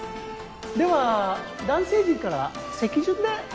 では男性陣から席順で。